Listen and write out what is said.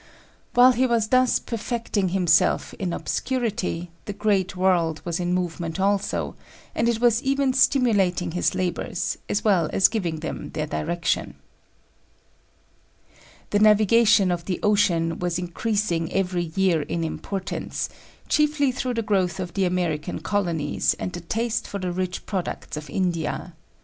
While he was thus perfecting himself in obscurity, the great world was in movement also, and it was even stimulating his labors, as well as giving them their direction. The navigation of the ocean was increasing every year in importance, chiefly through the growth of the American colonies and the taste for the rich products of India.